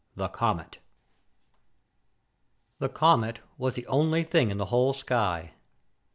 The Comet The comet was the only thing in the whole sky.